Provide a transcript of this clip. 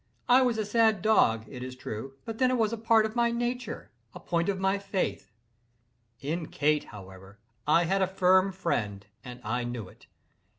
I was a sad dog, it is true—but then it was a part of my nature—a point of my faith. In Kate, however, I had a firm friend, and I knew it.